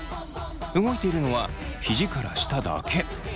動いているのはひじから下だけ。